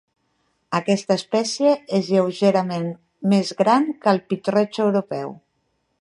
Aquesta espècie és lleugerament més gran que el pit-roig europeu.